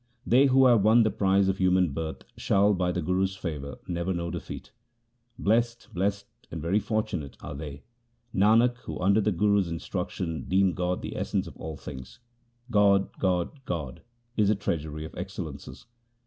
They who have won the prize of human birth shall by the Guru's favour never know defeat. Blest, blest and very fortunate are they, Nanak, who under the Guru's instruction deem God the essence of all things. God, God, God is the treasury of excellences.